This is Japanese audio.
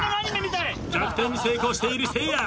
逆転に成功しているせいや。